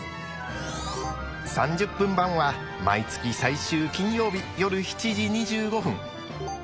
３０分版は毎月最終金曜日夜７時２５分。